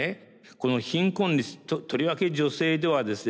この貧困率とりわけ女性ではですね